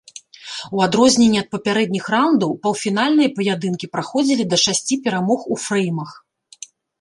У адрозненне ад папярэдніх раўндаў паўфінальныя паядынкі праходзілі да шасці перамог у фрэймах.